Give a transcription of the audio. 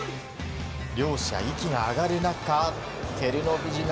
両者、息が上がる中照ノ富士が